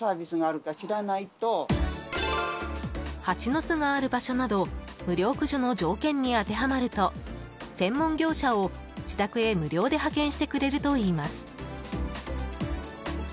ハチの巣がある場所など無料駆除の条件に当てはまると専門業者を自宅へ無料で派遣してくれるといいます。